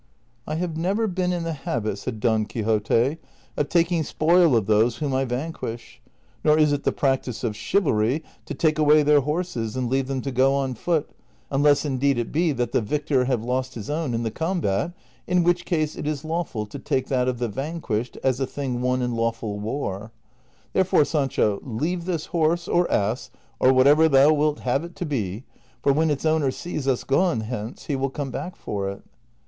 " I have never been in the habit," said Don Quixote, " of taking spoil of those whom I vanquish, nor is it the practice of chivalry to take aAvay their horses and leave them to go on ' A blunder of Sancho's for Mambrino. CHAPTER XXL 151 foot, unless indeed it be that the victor have lost his own in the combat, in which case it is lawful to take that of the van quished as a thing won in lawful war ; therefore, Sancho, leave this horse, or ass, or whatever thou wilt have it to be ; for when its owner sees us gone hence he will come back for it."